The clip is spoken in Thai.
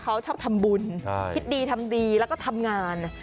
เขาชอบทำบุญคิดดีทำดีแล้วก็ทำงาน